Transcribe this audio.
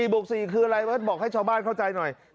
บวก๔คืออะไรเบิร์ตบอกให้ชาวบ้านเข้าใจหน่อย